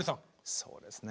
そうですね。